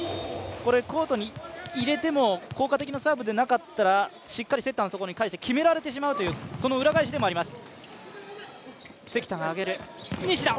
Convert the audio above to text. コートに入れても効果的なサーブじゃなかったらしっかりセッターのところに返して決められてしまうというその裏返しでもあります。